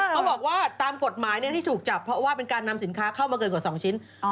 เขาบอกว่าตามกฎหมายที่ถูกจับเพราะว่าเป็นการนำสินค้าเข้ามาเกินกว่า๒ชิ้น